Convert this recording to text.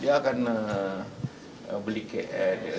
dia akan beli cash